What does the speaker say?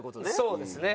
そうですね。